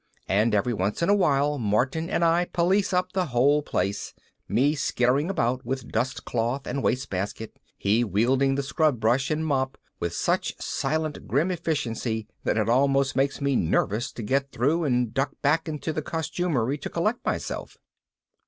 And every once in a while Martin and I police up the whole place, me skittering about with dustcloth and wastebasket, he wielding the scrub brush and mop with such silent grim efficiency that it always makes me nervous to get through and duck back into the costumery to collect myself.